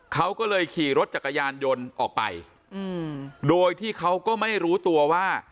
เขาก็เลยขี่รถจักรยานยนต์ออกไปโดยที่เขาก็ไม่รู้ตัวว่า